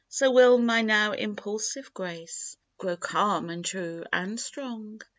So will my now impulsive Grace Grow calm, and true, and strong.